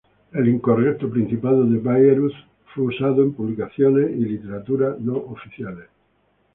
El incorrecto 'Principado de Bayreuth' fue usado en publicaciones y literatura no oficiales.